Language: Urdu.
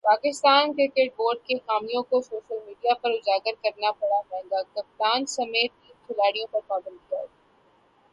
پاکستان کرکٹ بورڈ کی خامیوں کو سوشل میڈیا پر اجاگر کرنا پڑا مہنگا ، کپتان سمیت تین کھلاڑیوں پر پابندی عائد